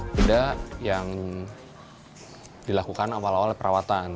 tidak yang dilakukan awal awal perawatan